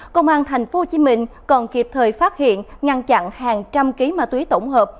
công an tp hcm còn kịp thời phát hiện ngăn chặn hàng trăm ký ma túy tổng hợp